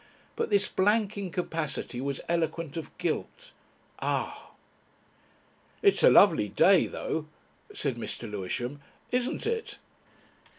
But this blank incapacity was eloquent of guilt. Ah! "It's a lovely day, though," said Mr. Lewisham. "Isn't it?"